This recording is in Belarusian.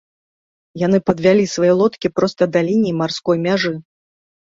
Яны падвялі свае лодкі проста да лініі марской мяжы.